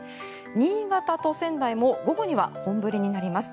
新潟と仙台も午後には本降りになります。